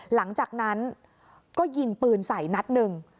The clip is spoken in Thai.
หลังจากนั้นก็ยิงปืนใส่นัดหนึ่ง